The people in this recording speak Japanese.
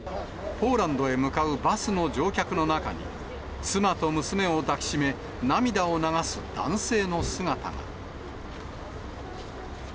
ポーランドへ向かうバスの乗客の中に、妻と娘を抱きしめ、涙を流す男性の姿が。